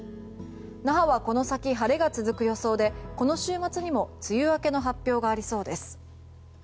那覇はこの先、晴れが続く予想でこの週末にも梅雨明けの発表がありそうです。